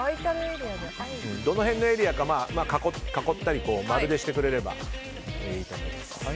どの辺のエリアか囲ったり丸をしてくれればいいと思います。